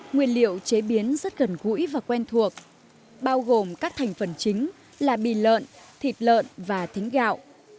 nguyên liệu chế biến rất gần gũi và quen thuộc bao gồm các thành phần chính là bì lợn thịt lợn và thính gạo